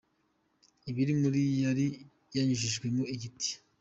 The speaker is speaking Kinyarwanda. Ibiri muri yo yari yanyujijwemo igiti.